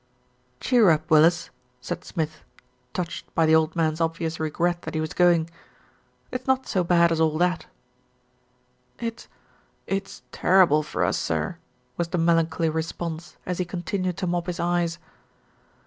"Cheer up, Willis," said Smith, touched by the old 337 338 THE RETURN OF ALFRED man's obvious regret that he was going. "It's not so bad as all that." "It it's terrible for us, sir," was the melancholy response, as he continued to mop his eyes.